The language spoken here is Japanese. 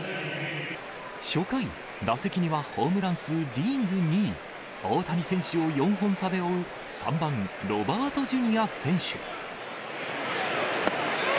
初回、打席にはホームラン数リーグ２位、大谷選手を４本差で追う、３番ロバートＪｒ．選手。